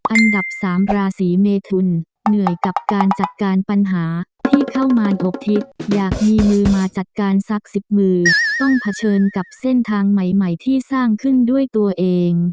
อันดับ๓ราศีเมทุนเหนื่อยกับการจัดการปัญหาที่เข้ามาทิศอยากมีมือมาจัดการสักสิบมือต้องเผชิญกับเส้นทางใหม่ที่สร้างขึ้นด้วยตัวเอง